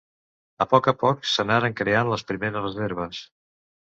A poc a poc s'anaren creant les primeres reserves.